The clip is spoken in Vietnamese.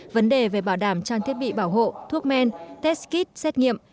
vấn đề về bảo đảm trang thiết bị bảo hộ thuốc men test kit xét nghiệm